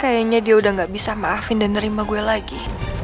kayaknya dia udah gak bisa maafin dan nerima gue lagi